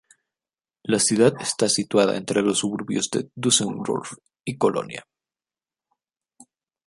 La ciudad está situada entre los suburbios de Düsseldorf y Colonia.